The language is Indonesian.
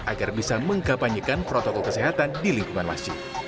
agar bisa mengkapanyekan protokol kesehatan di lingkungan masjid